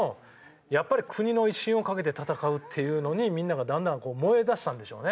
やっぱり国の威信をかけて戦うっていうのにみんながだんだん燃えだしたんでしょうね。